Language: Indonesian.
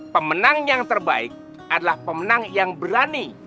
pemenang yang terbaik adalah pemenang yang berani